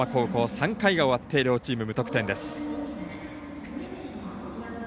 ３回が終わって両チーム無得点です。